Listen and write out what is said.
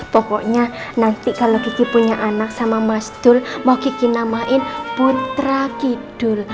pokoknya nanti kalau kiki punya anak sama mas dul mau kiki namain putra kidul